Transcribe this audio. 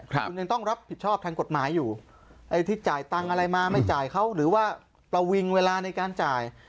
คุณยังต้องรับผิดชอบทางกฎหมายอยู่ไอ้ที่จ่ายตังค์อะไรมาไม่จ่ายเขาหรือว่าประวิงเวลาในการจ่าย